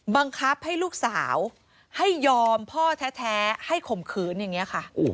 บังคับให้ลูกสาวให้ยอมพ่อแท้ให้ข่มขืนอย่างนี้ค่ะ